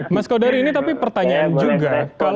mas kodari ini tapi pertanyaan juga